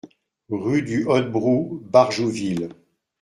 Rue du Hotbrou, Barjouville